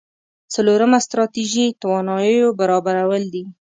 څلورمه ستراتيژي تواناییو برابرول دي.